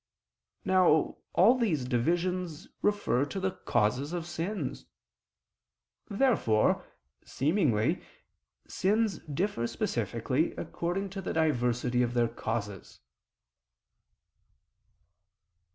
Now all these divisions refer to the causes of sins. Therefore, seemingly, sins differ specifically according to the diversity of their causes.